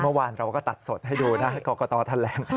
เมื่อวานเราก็ตัดสดให้ดูนะกรกตแถลง